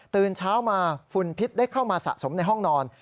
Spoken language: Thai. ตื่นเช้ามาฝุ่นพิษได้เข้ามาสะสมในห้องนอน